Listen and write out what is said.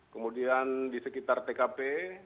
kemudian di sekitar tkp